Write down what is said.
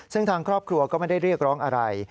ซึ่งทางครอบครัวก็ไม่ได้เรียกร้องอะไร